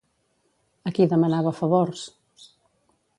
A qui demanava favors?